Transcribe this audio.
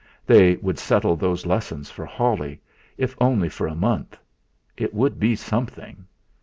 They would settle those lessons for Holly, if only for a month. It would be something.